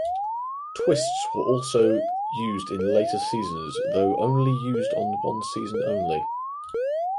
Twists were also used in later seasons though only used on one season only.